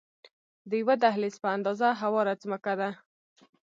د یوه دهلیز په اندازه هواره ځمکه ده.